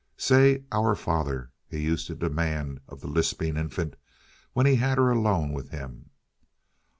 "Say 'Our Father,'" he used to demand of the lisping infant when he had her alone with him.